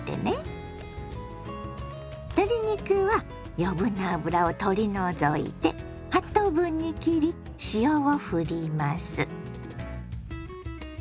鶏肉は余分な脂を取り除いて８等分に切り塩をふります。